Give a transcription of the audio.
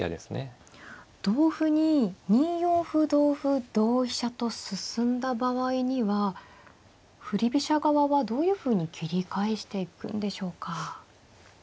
同歩に２四歩同歩同飛車と進んだ場合には振り飛車側はどういうふうに切り返していくんでしょうか。